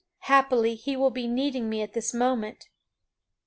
Haply he will be needing me at this moment."